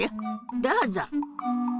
どうぞ。